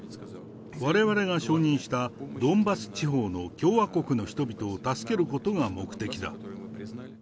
われわれが承認したドンバス地方の共和国の人々を助けることが目的だ。